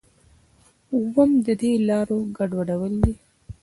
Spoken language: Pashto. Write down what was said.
اووم ددې لارو ګډول دي.